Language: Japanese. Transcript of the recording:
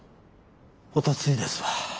おとついですわ。